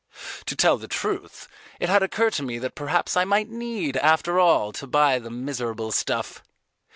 ] To tell the truth, it had occurred to me that perhaps I might need after all to buy the miserable stuff.